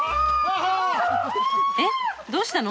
えっどうしたの？